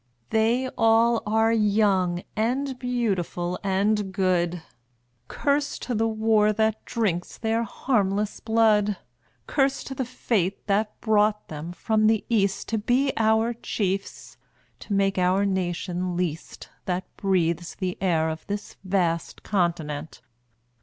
They all are young and beautiful and good; Curse to the war that drinks their harmless blood. Curse to the fate that brought them from the East To be our chiefs to make our nation least That breathes the air of this vast continent.